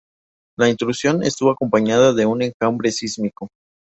La intrusión estuvo acompañada de un enjambre sísmico.